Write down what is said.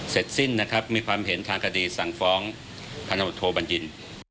เสร็จสิ้นนะครับมีความเห็นทางคดีสั่งฟ้องพันธบทโทบัญญิน